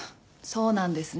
そうなんです